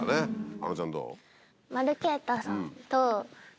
あのちゃんどう？